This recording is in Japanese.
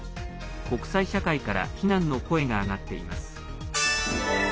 国際社会から非難の声が上がっています。